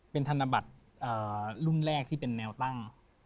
เป็นธนบัตรรุ่นแรกที่เป็นแนวตั้ง